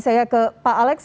saya ke pak alex